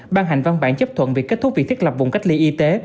ban hành văn bản chấp thuận việc kết thúc việc thiết lập vùng cách ly y tế